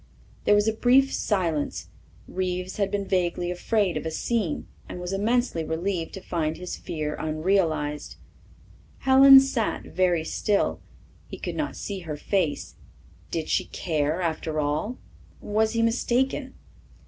There was a brief silence. Reeves had been vaguely afraid of a scene and was immensely relieved to find his fear unrealized. Helen sat very still. He could not see her face. Did she care, after all? Was he mistaken?